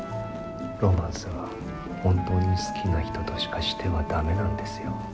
ロマンスは本当に好きな人としかしては駄目なんですよ。